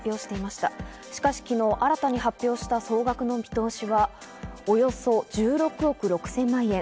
しかし昨日、新たに発表した総額の見通しは、およそ１６億６０００万円。